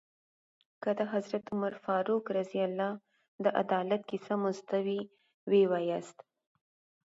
که د حضرت عمر فاروق رض د عدالت کیسه مو زده وي ويې وایاست.